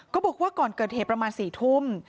บอกว่าก่อนเกิดเหตุประมาณ๔ทุ่ม